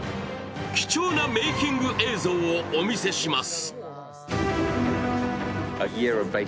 貴重なメイキング映像をお見せします。